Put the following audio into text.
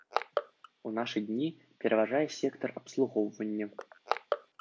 У нашы дні пераважае сектар абслугоўвання.